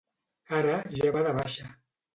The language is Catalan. Ara ja va de baixa